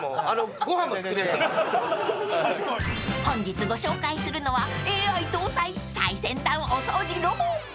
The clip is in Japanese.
［本日ご紹介するのはＡＩ登載最先端お掃除ロボ］